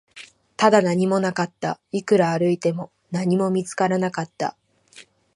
ただ、何もなかった、いくら歩いても、何も見つからなかった